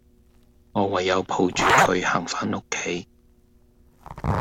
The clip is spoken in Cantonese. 我唯有抱住佢行返屋企